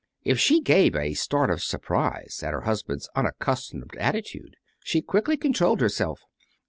If she gave a start of surprise at her husband's unaccustomed attitude, she quickly controlled herself.